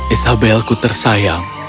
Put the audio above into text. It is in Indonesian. isabel ku tersayang